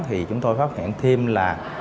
thì chúng tôi phát hiện thêm là